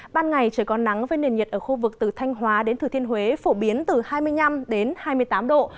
ban ngày trời có nắng với nền nhiệt ở khu vực từ thanh hóa đến thừa thiên huế phổ biến từ hai mươi năm đến hai mươi tám độ